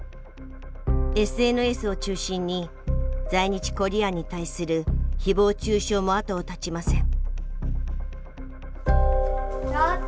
ＳＮＳを中心に在日コリアンに対する誹謗中傷も後を絶ちません。